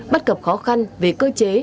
bất cập khó khăn về cơ chế